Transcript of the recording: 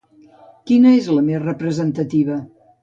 Quina és la més representativa?